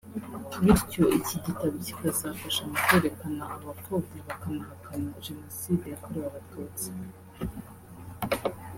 bityo iki gitabo kikazafasha mu kwerekana abapfobya bakanahakana Jenoside yakorewe Abatutsi